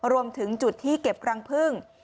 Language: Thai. รวมถึงจุดที่เก็บรังพึ่ง